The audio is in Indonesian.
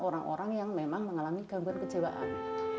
orang orang yang memang mengalami gangguan kejiwaan